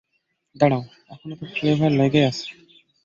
দাঁড়াও, এখনও তো ফ্লেভার লেগেই আছে।